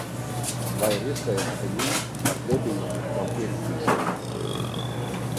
Vai ir iespējams, ka jūs ar Debiju tam piekritīsiet?